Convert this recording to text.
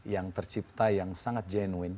yang tercipta yang sangat jenuin